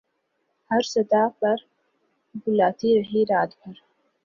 ہر صدا پر بلاتی رہی رات بھر